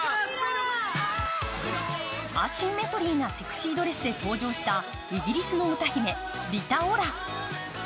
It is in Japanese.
アシンメトリーなセクシードレスで登場していたイギリスの歌姫、リタ・オラ。